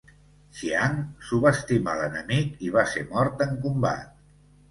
Xiang subestimà l'enemic i va ser mort en combat.